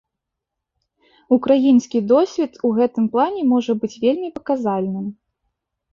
Украінскі досвед у гэтым плане можа быць вельмі паказальным.